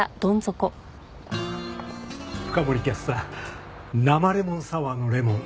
深森キャスター生レモンサワーのレモン